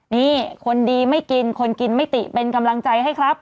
นี่คนดีไม่กินคนกินไม่ติเป็นกำลังใจให้ครับ